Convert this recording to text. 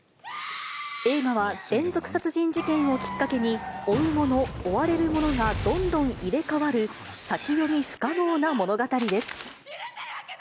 映画は連続殺人事件をきっかけに、追う者、追われる者がどんどん入れ代わる、先読み不可能な物語です。